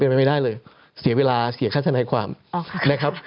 เป็นไปไม่ได้เลยเสียเวลาเสียค่าธนายความนะครับ